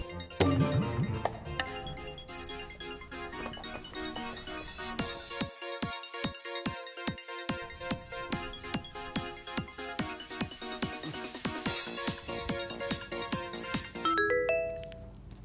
jadi kita ketemu di marangsuji